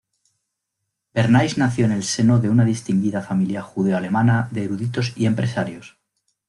Bernays nació en el seno de una distinguida familia judeo-alemana de eruditos y empresarios.